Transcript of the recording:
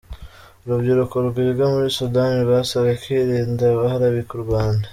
Urubyiruko rwiga muri Sudani rwasabwe kwirinda abaharabika u Rwanda